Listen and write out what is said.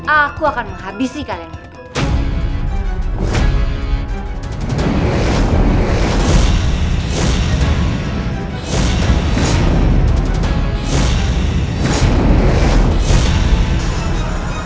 aku akan menghabisi kalian